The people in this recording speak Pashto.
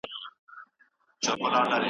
غوږونه نور د خبرو اوریدلو حوصله نه لري.